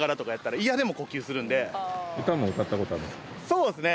そうですね。